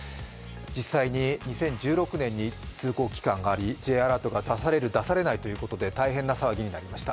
実際に２０１６年に通告期間があり、Ｊアラートが出される、出されないということで大変な騒ぎになりました。